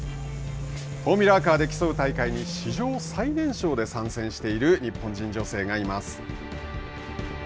フォーミュラカーで競う大会に史上最年少で参戦している日本人女性がいます。